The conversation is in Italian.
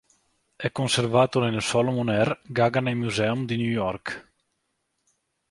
È conservato nel Solomon R. Guggenheim Museum di New York.